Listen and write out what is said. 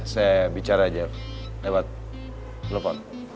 saya bicara aja lewat telepon